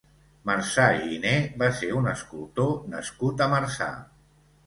Marçà-Giné va ser un escultor nascut a Marçà.